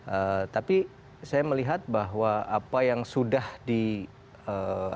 eee tapi saya melihat bahwa apa yang sudah dilakukan